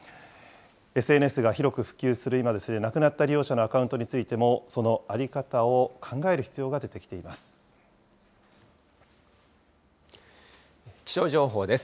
ＳＮＳが広く普及する今、亡くなった利用者のアカウントについても、その在り方を考える必気象情報です。